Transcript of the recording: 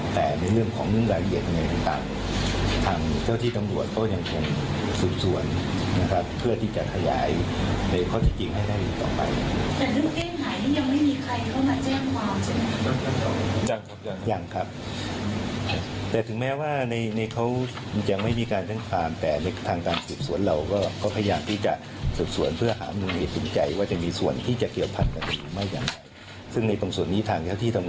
แต่เรื่องเก้งหายที่ยังไม่มีใครเข้ามาแจ้งความใช่ไหม